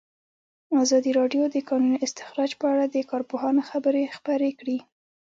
ازادي راډیو د د کانونو استخراج په اړه د کارپوهانو خبرې خپرې کړي.